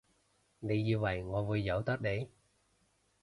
你以為我會由得你？